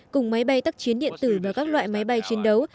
cùng máy bay tắc chiến điện tử và các loại máy bay chiến đấu